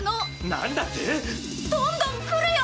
なんだって⁉どんどんくるよ！